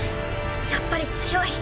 やっぱり強い。